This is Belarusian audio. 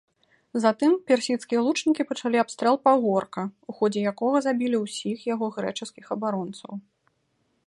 Затым персідскія лучнікі пачалі абстрэл пагорка, у ходзе якога забілі ўсіх яго грэчаскіх абаронцаў.